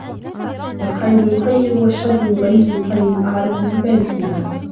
الخَيْرُ يُخَيِّر والشر يغَيّر الخيل أعرف بفارسها